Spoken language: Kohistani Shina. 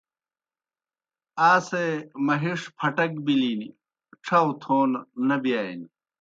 آ سے مہِݜ پھٹَک بِلِن، ڇھؤ تھون نہ بِیانیْ۔